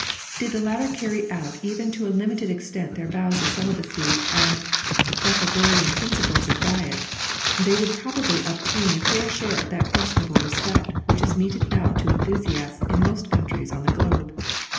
Did the latter carry out even to a limited extent their vows of celibacy and Pythagorean principles of diet, they would pro bably obtain a fair share of that questionable respect which is meted out to enthusiasts in most countries on the globe.